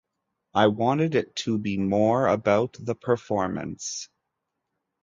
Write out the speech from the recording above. I wanted it to be more about the performance.